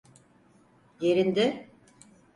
Yerinde…